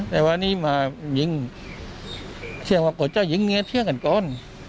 แต่ว่านี่มาหญิงเชื่อว่าก่อเจ้าหญิงเชื่อกันก่อน